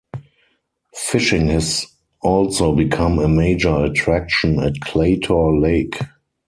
Fishing has also become a major attraction at Claytor Lake.